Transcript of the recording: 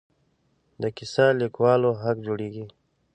د کیسه لیکوالو حق جوړېږي.